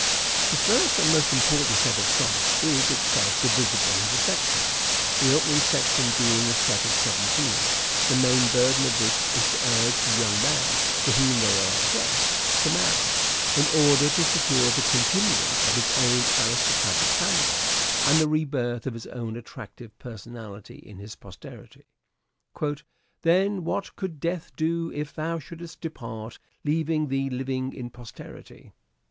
The first and most important set of sonnets is itself South divisible into sections, the opening section being a •^n^' set of seventeen, the main burden of which is to urge ang«i " the young man to whom they are addressed, to marry, in order to secure the continuance of his own 438 "SHAKESPEARE' IDENTIFIED aristocratic family and the rebirth of his own attractive personality in his posterity. '' Then what could death do if thou shouldst depart, Leaving thee living in posterity